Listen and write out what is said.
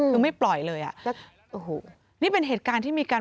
คือไม่ปล่อยเลยอ่ะโอ้โหนี่เป็นเหตุการณ์ที่มีการ